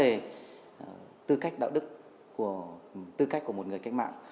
về tư cách đạo đức của tư cách của một người cách mạng